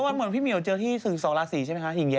สมมุติเหมือนพี่เมียวเจอที่ศูนย์๒ลา๔ใช่ไหมคะหญิงแยะ